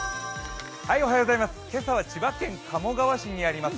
今朝は千葉県鴨川市にあります